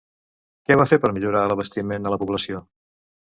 Què va fer per millorar l'abastiment a la població?